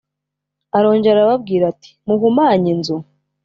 Arongera arababwira ati muhumanye inzu